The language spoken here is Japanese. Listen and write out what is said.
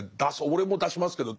俺も出しますけど。